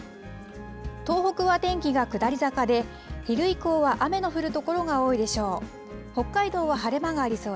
東北は天気が下り坂で昼以降は雨の降る所が多いでしょう。